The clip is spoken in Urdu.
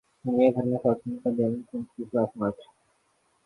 دنیا بھر میں خواتین کا ڈونلڈ ٹرمپ کے خلاف مارچ